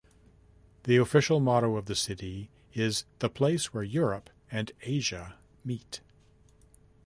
The official motto of city is The place where Europe and Asia meet.